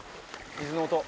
水流の音］